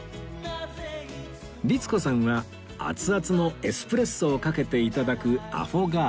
律子さんは熱々のエスプレッソをかけて頂くアフォガード